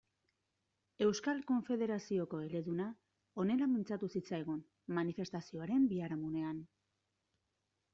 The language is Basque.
Euskal Konfederazioko eleduna honela mintzatu zitzaigun manifestazioaren biharamunean.